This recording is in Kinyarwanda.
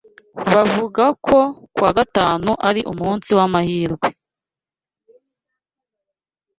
Bavuga ko kuwagatanu ari umunsi wamahirwe